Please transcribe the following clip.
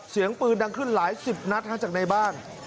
เสียงปืนดังขึ้นหลายสิบนัดจากในบ้าน